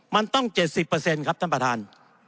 มันต้อง๗๐ครับท่านประธาน